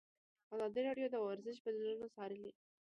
ازادي راډیو د ورزش بدلونونه څارلي.